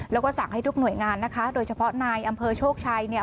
แล้วก็สั่งให้ทุกหน่วยงานนะคะโดยเฉพาะนายอำเภอโชคชัยเนี่ย